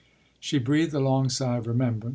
” She breathed a long sigh of remembrance.